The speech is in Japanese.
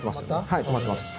はい留まってます。